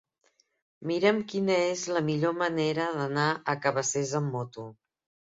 Mira'm quina és la millor manera d'anar a Cabacés amb moto.